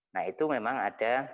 nah itu memang ada